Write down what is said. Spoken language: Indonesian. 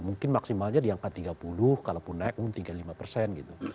mungkin maksimalnya diangkat tiga puluh kalaupun naik umum tiga puluh lima persen gitu